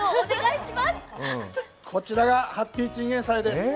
こちらがハッピーチンゲンサイです。